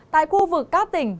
tại khu vực các tỉnh